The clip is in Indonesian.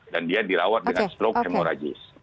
dan dia dirawat dengan stroke hemorragis